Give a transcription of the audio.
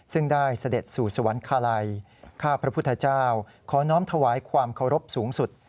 ซึ่งได้เสด็จสู่สวรรคาลัยข้าพระพุทธเจ้าขอน้อมถวายความเคารพสูงสุด